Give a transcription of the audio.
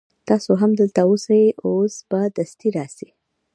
تاسو هم دلته اوسئ اوس به دستي راسي.